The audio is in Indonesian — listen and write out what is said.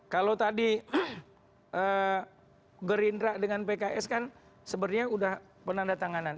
kalau tadi gerindra dengan pks kan sebenarnya sudah penanda tanganan